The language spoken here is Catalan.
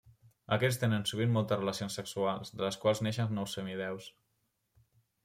Aquests tenen sovint moltes relacions sexuals, de les quals neixen nous semidéus.